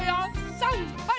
さんはい！